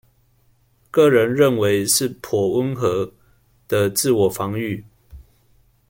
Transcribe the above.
個人認為是頗溫和的自我防禦